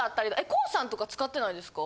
ＫＯＯさんとか使ってないですか？